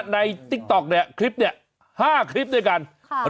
ติ๊กต๊อกเนี่ยคลิปเนี่ย๕คลิปด้วยกัน